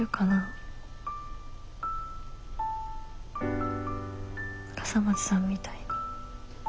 笠松さんみたいに。